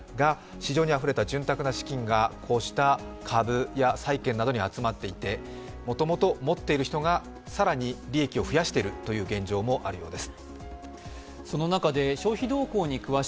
市場にあふれた潤沢な資金が株や債券などに集まっていて、もともと持っている人が更に、利益を増やしているという現状もあるようです。